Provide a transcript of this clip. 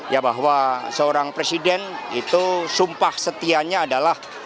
ya bahwa seorang presiden itu sumpah setianya adalah